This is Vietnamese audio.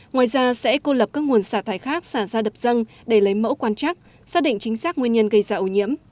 ngoài ra sẽ cô lập các nguồn xả thải khác xả ra đập dân để lấy mẫu quan trắc xác định chính xác nguyên nhân gây ra ổ nhiễm